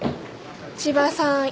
千葉さん